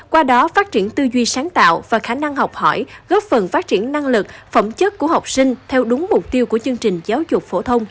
qua đó phát triển tư duy sáng tạo và khả năng học hỏi góp phần phát triển năng lực phẩm chất của học sinh theo đúng mục tiêu của chương trình giáo dục phổ thông hai nghìn một mươi tám